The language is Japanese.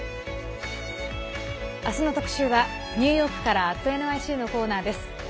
明日の特集はニューヨークから「＠ｎｙｃ」のコーナーです。